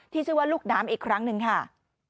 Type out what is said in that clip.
ชื่อว่าลูกน้ำอีกครั้งหนึ่งค่ะ